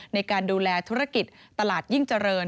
ในการดูแลธุรกิจตลาดยิ่งเจริญ